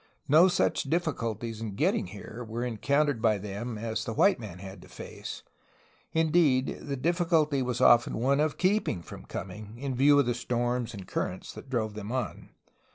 No such difficulties in getting here were encountered by them as the white man had to face; indeed, the difficulty was often one of keeping from coming, in view of the storms and currents that drove them on.